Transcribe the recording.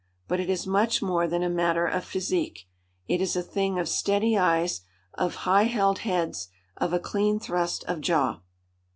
But it is much more than a matter of physique. It is a thing of steady eyes, of high held heads, of a clean thrust of jaw.